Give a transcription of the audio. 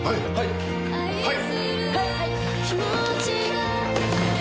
はい！